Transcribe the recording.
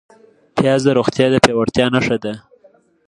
پیاز د روغتیا د پیاوړتیا نښه ده